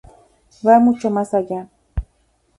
Va mucho más allá.